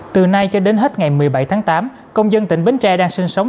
từ nay cho đến hết ngày một mươi bảy tháng tám công dân tỉnh bến tre đang sinh sống